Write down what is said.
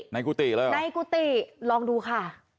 ในกุฏิลองดูค่ะ